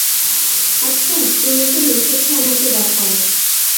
আচ্ছা, তুমি কী লিখছ আমাকে দেখাও।